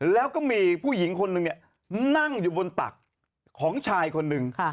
แล้วก็มีผู้หญิงคนนึงเนี่ยนั่งอยู่บนตักของชายคนหนึ่ง